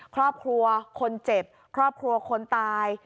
ครอบครัวคนเจ็บครอบครัวคนตาย